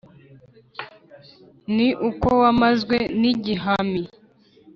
ni uko bamazwe n’igihami